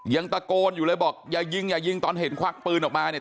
ยังตะโกนอยู่เลยบอกอย่ายิงอย่ายิงตอนเห็นควักปืนออกมาเนี่ย